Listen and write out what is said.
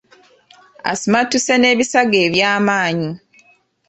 Asimattuse n’ebisago ebyamaanyi.